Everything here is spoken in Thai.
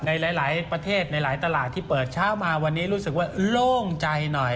ในหลายประเทศในหลายตลาดที่เปิดเช้ามาวันนี้รู้สึกว่าโล่งใจหน่อย